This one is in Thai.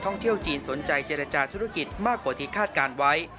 ท่องเที่ยวจีนสนใจเจรจาธุรกิจมากกว่าที่คาดการณ์ไว้